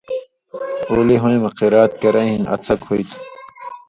اُولی ہویں مہ قِرات کرَیں ہِن اڅھک ہُوئ تھُو۔